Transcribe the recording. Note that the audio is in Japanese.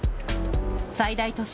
最大都市